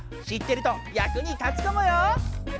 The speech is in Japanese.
知ってると役に立つかもよ！